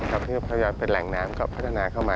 คือพยายามเป็นแหล่งน้ำก็พัฒนาเข้ามา